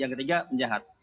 yang ketiga penjahat